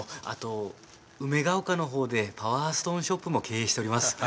あと梅ヶ丘の方でパワーストーンショップも経営しております